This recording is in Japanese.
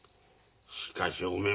しかしおめえ